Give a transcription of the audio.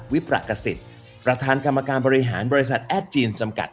วิประกษิตประธานกรรมการบริหารบริษัทแอดจีนจำกัด